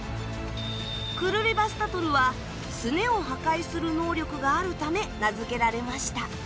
クルリヴァスタトルはスネを破壊する能力があるため名付けられました。